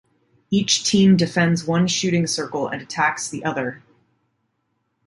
Each team defends one shooting circle and attacks the other.